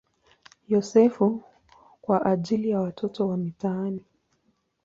Yosefu" kwa ajili ya watoto wa mitaani.